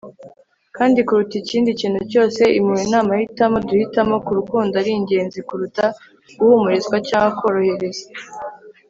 kandi kuruta ikindi kintu cyose, impuhwe ni amahitamo duhitamo ko urukundo ari ingenzi kuruta guhumurizwa cyangwa korohereza